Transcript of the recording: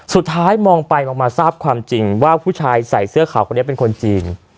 สุดท้ายมองไปมองมาทราบความจริงว่าผู้ชายใส่เสื้อขาวคนนี้เป็นคนจีน